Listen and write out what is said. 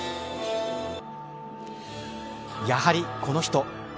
やはりこの人。